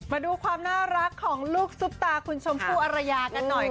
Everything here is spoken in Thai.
มาดูความน่ารักของลูกซุปตาคุณชมพู่อรยากันหน่อย